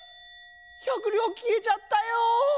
１００りょうきえちゃったよ！